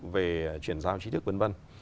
về chuyển giao trí thức v v